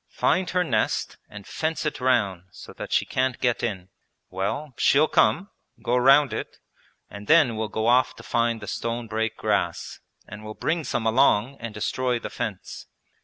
'Find her nest and fence it round so that she can't get in. Well, she'll come, go round it, and then will go off to find the stone break grass and will bring some along and destroy the fence.